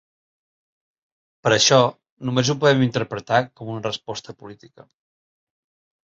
Per això, només ho podem interpretar com una resposta política.